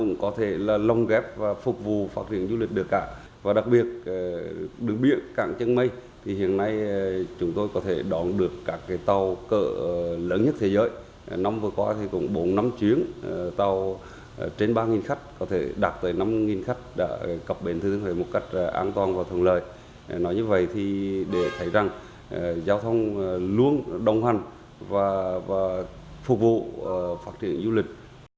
nói như vậy thì để thấy rằng giao thông luôn đồng hành và phục vụ phát triển du lịch